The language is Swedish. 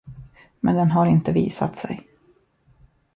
Men den har inte visat sig.